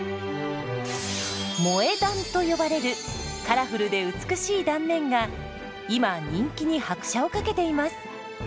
「萌え断」と呼ばれるカラフルで美しい断面が今人気に拍車をかけています。